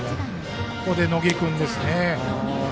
ここで野下君ですね。